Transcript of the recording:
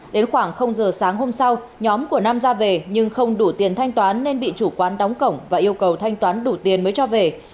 đến khoảng giờ sáng hôm sau nhóm của nam ra về nhưng không đủ tiền thanh toán nên bị chủ quán đóng cổng và yêu cầu thanh toán đủ tiền mới cho về